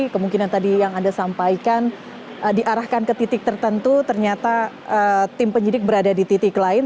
kemungkinan tadi yang anda sampaikan diarahkan ke titik tertentu ternyata tim penyidik berada di titik lain